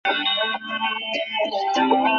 উহার বেশী আপনি আর কিছু করিতে পারেন না।